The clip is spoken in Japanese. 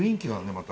また。